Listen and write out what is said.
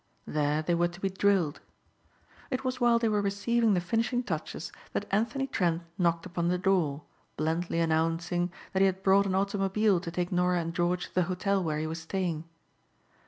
There they were to be drilled. It was while they were receiving the finishing touches that Anthony Trent knocked upon the door, blandly announcing that he had brought an automobile to take Norah and George to the hotel where he was staying.